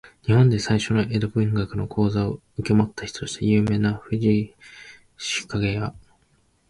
日本で最初の江戸文学の講座を受け持った人として有名な藤井紫影や、